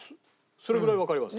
それぐらいわかります？